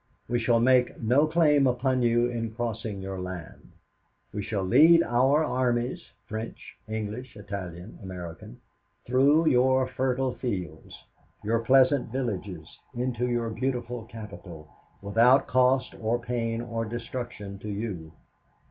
"'"We shall make no claim upon you in crossing your land. We shall lead our armies French, English, Italian, American through your fertile fields, your pleasant villages, into your beautiful capital, without cost or pain or destruction to you.